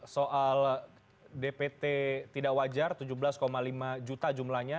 soal dpt tidak wajar tujuh belas lima juta jumlahnya